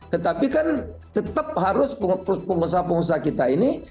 tetapi kan tetap harus pengusaha pengusaha kita ini